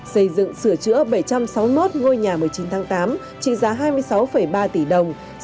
xây dựng sửa chữa bảy trăm sáu mươi một ngôi nhà một mươi chín tháng tám trị giá hai mươi sáu ba tỷ đồng